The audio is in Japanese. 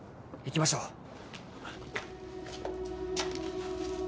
行きましょう。